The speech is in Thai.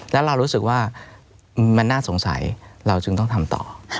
แล้วเรารู้สึกว่ามันน่าสงสัยเราจึงต้องทำต่อ